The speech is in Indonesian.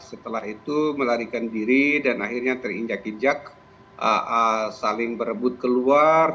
setelah itu melarikan diri dan akhirnya terinjak injak saling berebut keluar